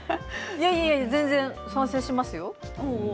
いやいや全然、賛成しますよ。